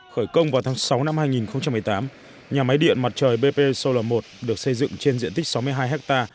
khởi công vào tháng sáu năm hai nghìn một mươi tám nhà máy điện mặt trời bp solar một được xây dựng trên diện tích sáu mươi hai ha